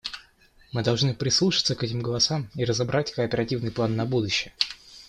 Мы должны прислушаться к этим голосам и разработать кооперативный план на будущее.